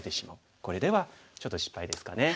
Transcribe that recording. これではちょっと失敗ですかね。